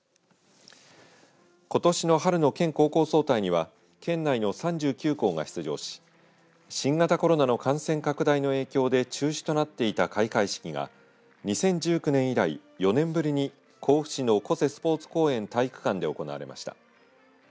ことしの春の県高校総体には県内の３９校が出場し新型コロナの感染拡大の影響で中止となっていた開会式が２０１９年以来４年ぶりに甲府市の小瀬スポーツ公園体育館で行われました。